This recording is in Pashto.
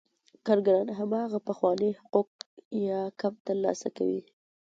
کارګران هماغه پخواني حقوق یا کم ترلاسه کوي